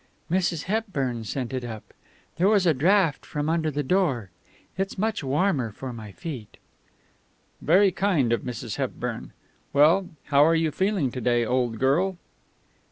"Mrs. Hepburn sent it up. There was a draught from under the door. It's much warmer for my feet." "Very kind of Mrs. Hepburn. Well, how are you feeling to day, old girl?"